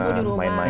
oh kombo di rumah